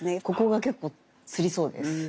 ここが結構つりそうです。